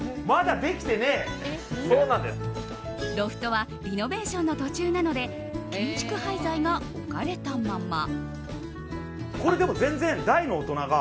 ロフトはリノベーションの途中なので建築廃材が置かれたまま。